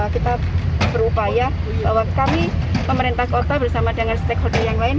kita berupaya bahwa kami pemerintah kota bersama dengan stakeholder yang lain